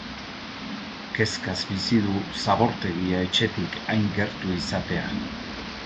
Kezkaz bizi du zabortegia etxetik hain gertu izatea.